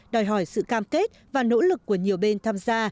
đòi hỏi sự cam kết và nỗ lực của nhiều bên tham gia